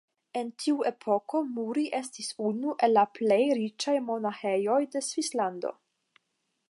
En tiu epoko Muri estis unu el la plej riĉaj monaĥejoj de Svislando.